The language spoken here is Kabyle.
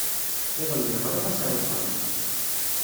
Iḍelli, ɣriɣ-as ɣer wexxam.